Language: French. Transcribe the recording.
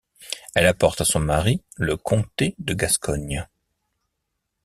Elle apporte à son mari le comté de Gascogne.